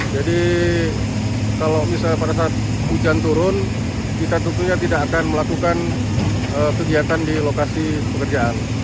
jadi kalau misalnya pada saat hujan turun kita tentunya tidak akan melakukan kegiatan di lokasi pekerjaan